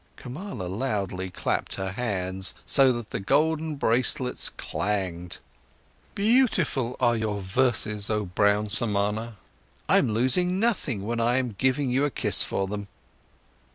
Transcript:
Kamala loudly clapped her hands, so that the golden bracelets clanged. "Beautiful are your verses, oh brown Samana, and truly, I'm losing nothing when I'm giving you a kiss for them."